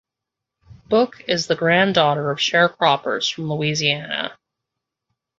Book is the granddaughter of sharecroppers from Louisiana.